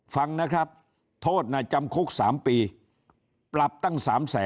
ฟังนะครับโทษจำคุก๓ปีปรับตั้ง๓แสน